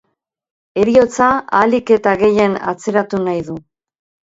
Heriotza ahalik eta gehien atzeratu nahi du.